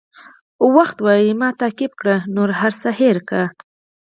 وخت وایي چې ما تعقیب کړه نور هر څه هېر کړه.